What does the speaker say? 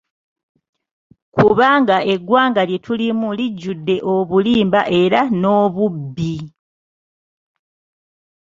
Kubanga eggwanga lye tulimu lijjudde obulimba era n'obubbi.